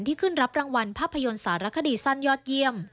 ขึ้นรับรางวัลภาพยนตร์สารคดีสั้นยอดเยี่ยม